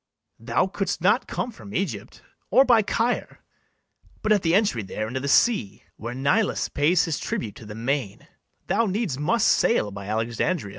Thou couldst not come from Egypt, or by Caire, But at the entry there into the sea, Where Nilus pays his tribute to the main, Thou needs must sail by Alexandria.